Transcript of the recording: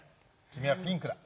きみはピンクだ。